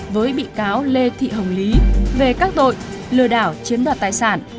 với bị cáo lê thị hồng lý về các tội lừa đảo chiếm đoạt tài sản